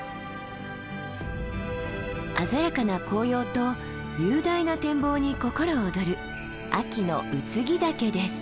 鮮やかな紅葉と雄大な展望に心躍る秋の空木岳です。